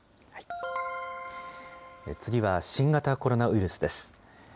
次は、新型コロナウイルスです。